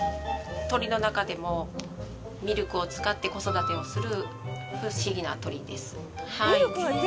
鳥の中でもミルクを使って子育てをする不思議な鳥です